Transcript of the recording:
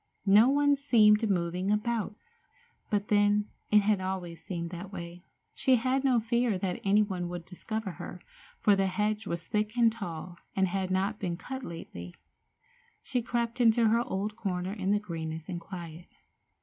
No one seemed moving about. But, then, it had always seemed that way. She had no fear that any one would discover her, for the hedge was thick and tall, and had not been cut lately. She crept into her old corner in the greenness and quiet.